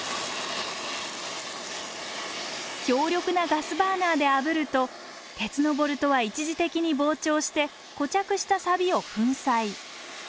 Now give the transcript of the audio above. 強力なガスバーナーであぶると鉄のボルトは一時的に膨張して固着したサビを粉砕。